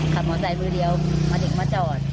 ขับมอเซคมื้อเดียวมาถึงมาจอด